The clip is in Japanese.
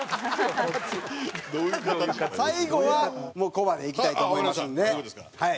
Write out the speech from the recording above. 最後はコバでいきたいと思いますんではい。